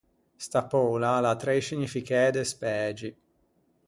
Sta poula a l’à trei scignificæ despægi.